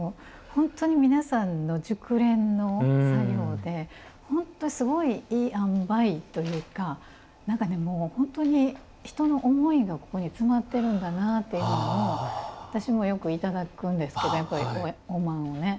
本当に皆さんの熟練の作業で本当にすごいいいあんばいというか本当に人の思いがここに詰まっているんだなというのを私も、よくいただくんですけどおまんを。